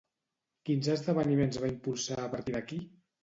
Quins esdeveniments va impulsar a partir d'aquí?